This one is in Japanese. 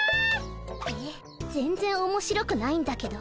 えっ全然面白くないんだけど。